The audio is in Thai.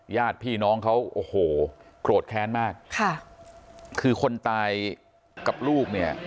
ญาติพี่น้องเขาโอ้โหโกรธแค้นมากค่ะคือคนตายกับลูกเนี่ย